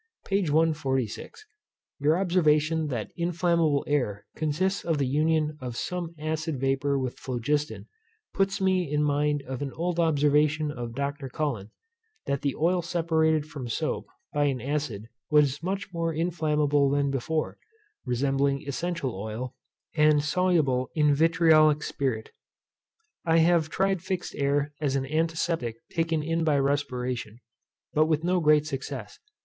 P. 146. Your observation that inflammable air consists of the union of some acid vapour with phlogiston, puts me in mind of an old observation of Dr. Cullen, that the oil separated from soap by an acid was much more inflammable than before, resembling essential oil, and soluble in V. sp. I have tried fixed air as an antiseptic taken in by respiration, but with no great success.